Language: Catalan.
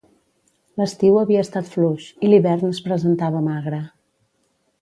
L'estiu havia estat fluix i l'hivern es presentava magre.